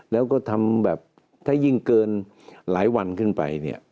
แล้วก็ทำแบบถ้ายิ่งเกินหลายวันขึ้นไปเนี่ย